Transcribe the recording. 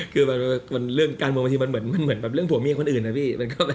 คือเรื่องการบวงบัญชีมันเหมือนเรื่องผัวเมี่ยคนอื่นนะพี่